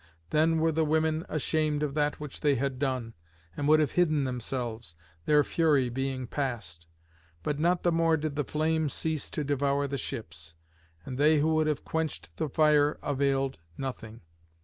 Then were the women ashamed of that which they had done, and would have hidden themselves, their fury being past. But not the more did the flame cease to devour the ships; and they who would have quenched the fire availed nothing.